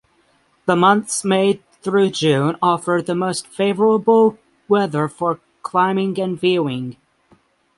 The months May through June offer the most favorable weather for climbing and viewing.